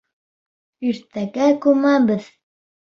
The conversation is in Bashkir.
Иртәгә күмәбеҙ.